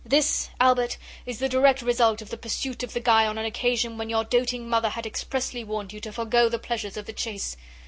This, Albert, is the direct result of the pursuit of the guy on an occasion when your doting mother had expressly warned you to forgo the pleasures of the chase.